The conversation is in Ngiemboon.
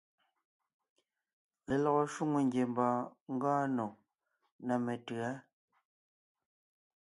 Lelɔgɔ shwòŋo ngiembɔɔn ngɔɔn nò ná metʉ̌a.